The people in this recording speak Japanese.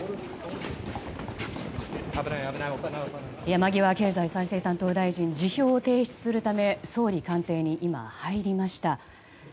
山際経済再生担当大臣辞表を提出するため総理官邸に今、入りました。